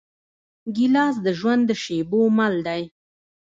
ګیلاس د ژوند د شېبو مل دی.